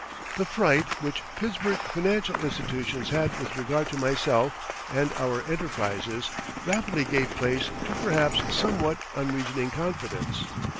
The fright which Pittsburgh financial institutions had with regard to myself and our enterprises rapidly gave place to perhaps somewhat unreasoning confidence.